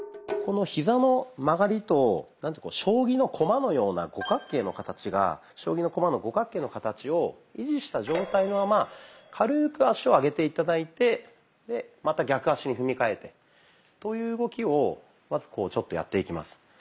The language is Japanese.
このヒザの曲がりと将棋の駒のような五角形の形を維持した状態のまま軽く足を上げて頂いてまた逆足に踏みかえてという動きをまずちょっとやっていきます。